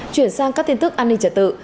chuyển sang các tin tức an ninh trật tự